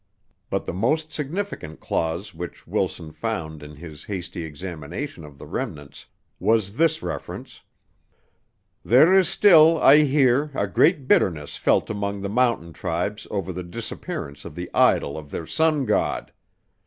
But the most significant clause which Wilson found in his hasty examination of the remnants was this reference: "There is still, I hear, a great bitterness felt among the Mountain tribes over the disappearance of the idol of their Sun God.